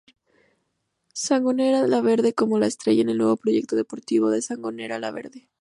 Sangonera la Verde como estrella en el nuevo proyecto deportivo de Sangonera la Verde.